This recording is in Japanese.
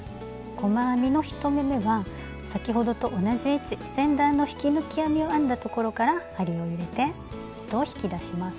細編みの１目めは先ほどと同じ位置前段の引き抜き編みを編んだところから針を入れて糸を引き出します。